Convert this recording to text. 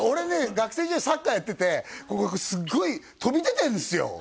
学生時代サッカーやっててすっごい飛び出てんすよ